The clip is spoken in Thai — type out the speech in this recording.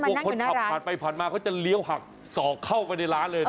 คนขับผ่านไปผ่านมาเขาจะเลี้ยวหักศอกเข้าไปในร้านเลย